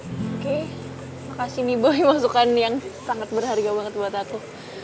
oke makasih nih boy masukan yang sangat berharga banget buat aku